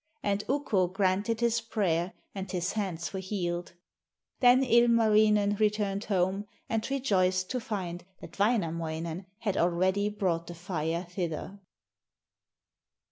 And Ukko granted his prayer and his hands were healed. Then Ilmarinen returned home and rejoiced to find that Wainamoinen had already brought the fire thither.